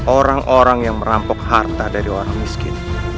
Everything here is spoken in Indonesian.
orang orang yang merampok harta dari orang miskin